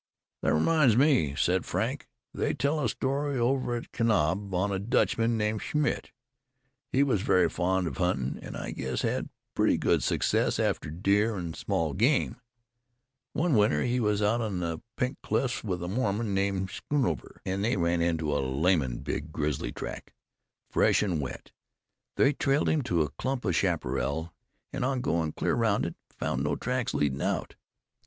"That reminds me," said Frank. "They tell a story over at Kanab on a Dutchman named Schmitt. He was very fond of huntin', an' I guess had pretty good success after deer an' small game. One winter he was out in the Pink Cliffs with a Mormon named Shoonover, an' they run into a lammin' big grizzly track, fresh an' wet. They trailed him to a clump of chaparral, an' on goin' clear round it, found no tracks leadin' out.